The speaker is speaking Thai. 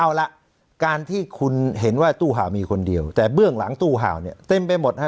เอาละการที่คุณเห็นว่าตู้ห่าวมีคนเดียวแต่เบื้องหลังตู้ห่าวเนี่ยเต็มไปหมดฮะ